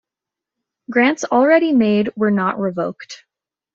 Grants already made were not revoked.